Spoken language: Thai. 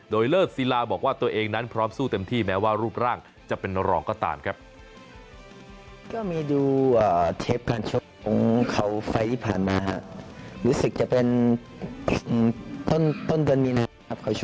โดยเลิกศิลาบอกว่าตัวเองนั้นพร้อมสู้เต็มที่แม้ว่ารูปร่างจะเป็นรองก็ตามครับ